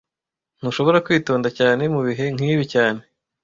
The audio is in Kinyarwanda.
Ntushobora kwitonda cyane mubihe nkibi cyane